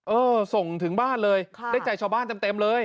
เออส่งถึงบ้านเลยได้ใจชาวบ้านเต็มเลย